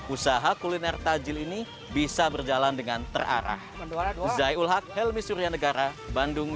usaha kuliner tajil ini bisa berjalan dengan terarah zai ul haq helmi surianegara bandung